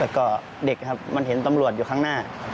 แล้วก็เด็กครับมันเห็นตำรวจอยู่ข้างหน้า